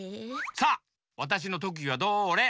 さあわたしのとくぎはどれ？